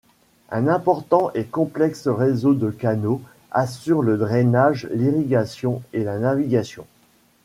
Un important et complexe réseau de canaux assurent le drainage, l’irrigation et la navigation.